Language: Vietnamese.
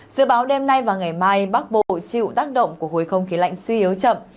dự báo đêm nay và ngày mai bắc bộ chịu tác động của khối không khí lạnh suy yếu chậm